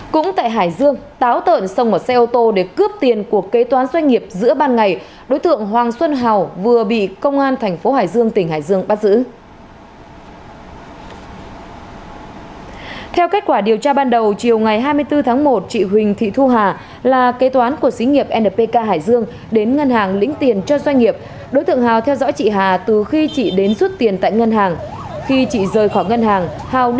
cũng tại hải dương táo tợn xong một xe ô tô để cướp tiền của kế toán doanh nghiệp giữa ban ngày đối tượng hoàng xuân hào vừa bị công an thành phố hải dương tỉnh hải dương bắt giữ